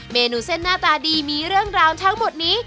เมนูเส้นหน้าตาดีมีเรื่องราวทั้งหมดนี้